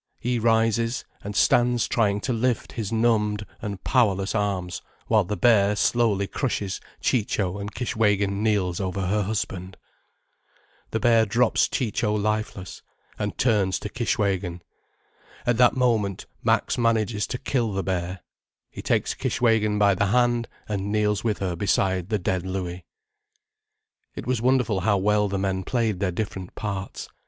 He rises, and stands trying to lift his numbed and powerless arms, while the bear slowly crushes Ciccio, and Kishwégin kneels over her husband. The bear drops Ciccio lifeless, and turns to Kishwégin. At that moment Max manages to kill the bear—he takes Kishwégin by the hand and kneels with her beside the dead Louis. It was wonderful how well the men played their different parts.